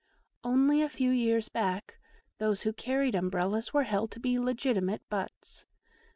Only a few years back those who carried Umbrellas were held to be legitimate butts.